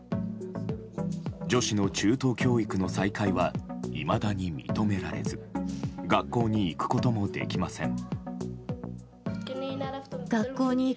女子の中等教育の再開はいまだに認められず学校に行くこともできません。